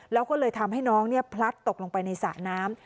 แล้วก็เลยทำให้น้องพลัดตกลงไปในสระน้ำ